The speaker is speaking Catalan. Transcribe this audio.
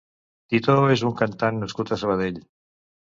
Titó és un cantant nascut a Sabadell.